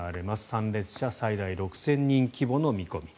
参列者最大６０００人規模の見込み。